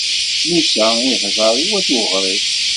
Musa ihdeṛ i wat Uɣrib.